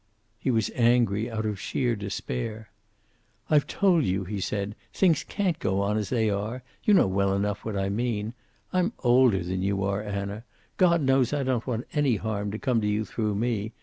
He was angry, out of sheer despair. "I've told you," he said. "Things can't go on as they are. You know well enough what I mean. I'm older than you are, Anna. God knows I don't want any harm to come to you through me.